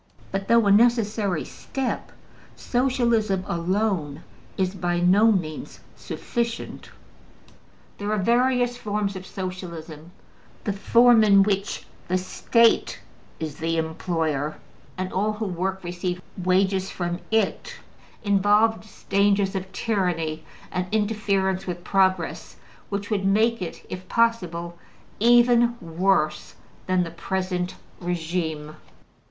But, though a necessary step, Socialism alone is by no means sufficient. There are various forms of Socialism: the form in which the State is the employer, and all who work receive wages from it, involves dangers of tyranny and interference with progress which would make it, if possible, even worse than the present regime.